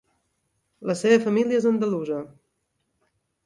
La seva família és andalusa.